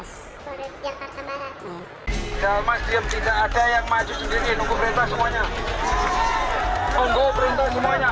tunggu perintah semuanya tidak ada yang maju sendiri